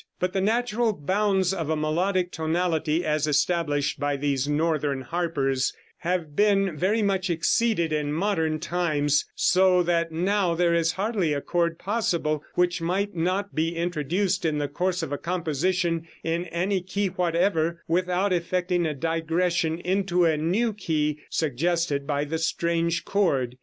But the natural bounds of a melodic tonality as established by these northern harpers have been very much exceeded in modern times, so that now there is hardly a chord possible which might not be introduced in the course of a composition in any key whatever, without effecting a digression into the new key suggested by the strange chord.